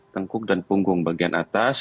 tengkuk dan punggung bagian atas